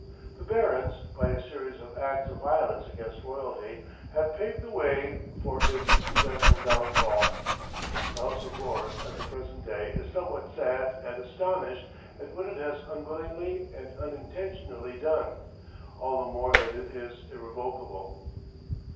The barons, by a series of acts of violence against royalty, have paved the way for its eventual downfall. The House of Lords at the present day is somewhat sad and astonished at what it has unwillingly and unintentionally done, all the more that it is irrevocable.